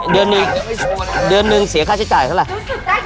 เดือนหนึ่งเดือนหนึ่งเสียค่าใช้จ่ายเท่าไหร่